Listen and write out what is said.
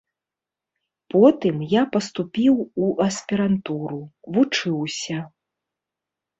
Потым я паступіў у аспірантуру, вучыўся.